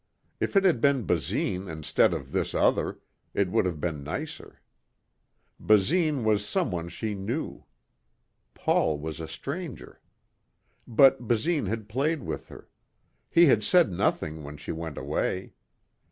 If it had been Basine instead of this other, it would have been nicer. Basine was someone she knew. Paul was a stranger. But Basine had played with her. He had said nothing when she went away.